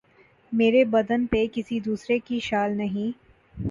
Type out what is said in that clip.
مرے بدن پہ کسی دوسرے کی شال نہیں